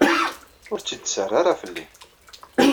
Ur tt-id-ttarra ara fell-i.